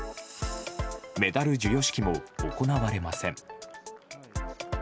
メダル授与式も行われません。